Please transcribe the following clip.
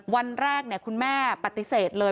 วันแรกคุณแม่ปฏิเสธเลย